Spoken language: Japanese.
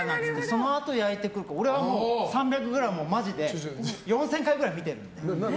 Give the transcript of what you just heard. そのあと焼いてくれるから俺は３００ｇをマジで４０００回くらい見てるので。